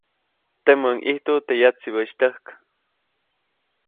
Teʼmäʼuŋ ʼijtu teʼ yatsibäʼis tyäjk.